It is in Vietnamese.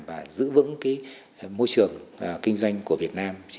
và giữ vững môi trường kinh doanh của việt nam